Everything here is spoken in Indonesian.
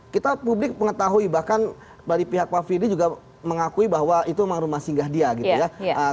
kita publik mengetahui bahkan dari pihak pak firly juga mengakui bahwa itu memang rumah singgah dia gitu ya